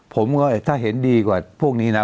ผมก็ถ้าเห็นดีกว่าพวกนี้นะ